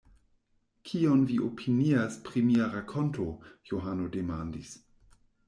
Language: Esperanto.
Kion vi opinias pri mia rakonto? Johano demandis.